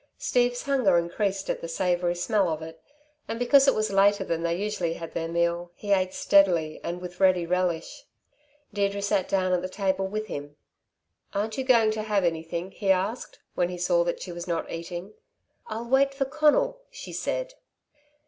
Steve's hunger increased at the savoury smell of it, and because it was later than they usually had their meal, he ate steadily and with ready relish. Deirdre sat down at the table with him. "Aren't you going to have anything?" he asked when he saw that she was not eating. "I'll wait for Conal," she said.